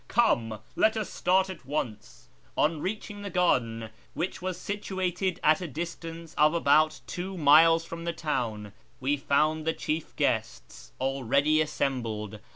Come ! Let us start at \ once." On reaching the garden, which was situated at a distance of about two miles from the town, we found the chief guests already assembled.